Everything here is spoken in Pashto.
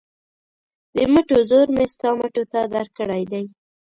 د مټو زور مې ستا مټو ته درکړی دی.